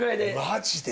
マジで？